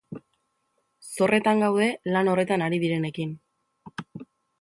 Zorretan gaude lan horretan ari direnekin.